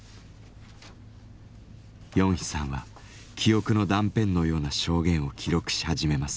ヨンヒさんは記憶の断片のような証言を記録し始めます。